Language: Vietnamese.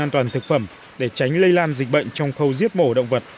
an toàn thực phẩm để tránh lây lan dịch bệnh trong khâu giết mổ động vật